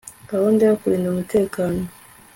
gahunda yo kurinda umutekano